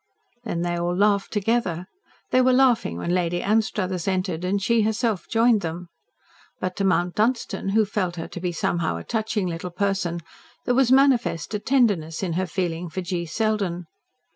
Then they all laughed together. They were laughing when Lady Anstruthers entered, and she herself joined them. But to Mount Dunstan, who felt her to be somehow a touching little person, there was manifest a tenderness in her feeling for G. Selden.